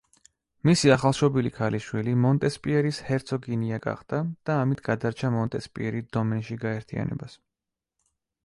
მისი ახალშობილი ქალიშვილი მონტესპიერის ჰერცოგინია გახდა და ამით გადარჩა მონტესპიერი დომენში გაერთიანებას.